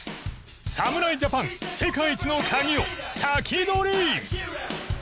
侍ジャパン世界一のカギをサキドリ！